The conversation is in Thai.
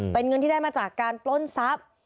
เป็นเงินที่ได้มาจากการปล้นทรัพย์